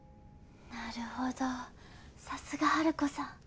なるほどさすがハルコさん。